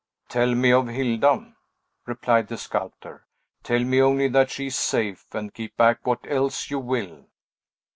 "Tell me of Hilda," replied the sculptor; "tell me only that she is safe, and keep back what else you will."